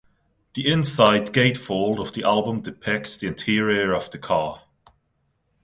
The inside gatefold of the album depicts the interior of the car.